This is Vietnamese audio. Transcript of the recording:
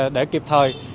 để kịp thời